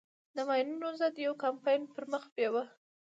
د ماينونو ضد يو کمپاين پر مخ بېوه.